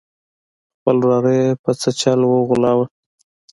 خپل وراره یې په څه چل وغولاوه.